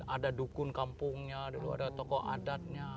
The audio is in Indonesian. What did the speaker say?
ada dukun kampungnya dulu ada tokoh adatnya